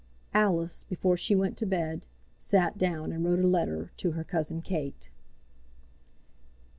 Alice, before she went to bed, sat down and wrote a letter to her cousin Kate.